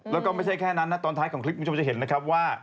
แล้วก็ไม่ใช่แค่นั้นนะตอนท้ายของคลิปคุณผู้ชมจะเห็นนะครับว่า